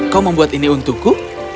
kau membuat ini untukku